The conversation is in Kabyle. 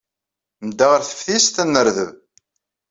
Nedda ɣer teftist ad nerdeb.